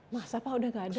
masa pak sudah tidak ada